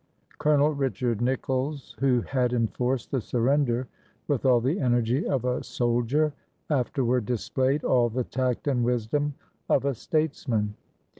Colonel Richard Nicolls, who had enforced the surrender with all the energy of a soldier, afterward displayed all the tact and wisdom of a statesman.